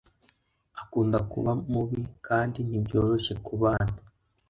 akunda kuba mubi kandi ntibyoroshye kubana. (patgfisher)